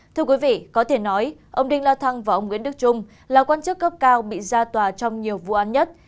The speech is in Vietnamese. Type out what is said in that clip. thưa quý vị có thể nói ông đinh la thăng và ông nguyễn đức trung là quan chức cấp cao bị ra tòa trong nhiều vụ án nhất